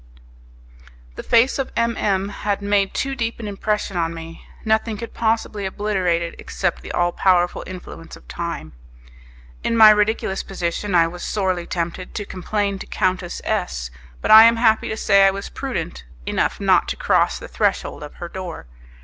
The face of M M had made too deep an impression on me; nothing could possibly obliterate it except the all powerful influence of time. In my ridiculous position I was sorely tempted to complain to Countess S ; but I am happy to say I was prudent enough not to cross the threshold of her door.